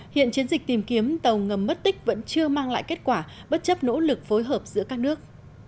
hiện chiến dịch tìm kiếm tàu ngầm mất tích vẫn chưa mang lại kết quả bất chấp nỗ lực phối hợp giữa các nước